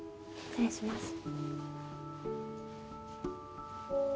失礼します。